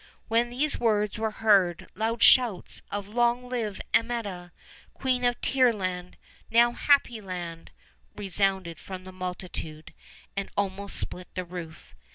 When these words were heard loud shouts of "Long live Amietta, Queen of Tearland, now Happy Land!" resounded from the multitude, and almost split the roof.